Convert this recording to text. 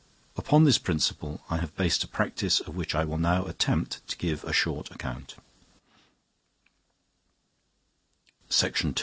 Upon this principle I have based a practice of which I will now attempt to give a short account.